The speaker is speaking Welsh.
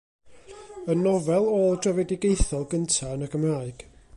Y nofel ôl-drefedigaethol gynta' yn y Gymraeg.